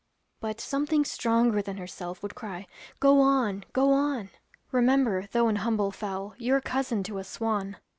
But something stronger than herself Would cry, 'Go on, go on!' Remember, though an humble fowl, You're cousin to a swan.'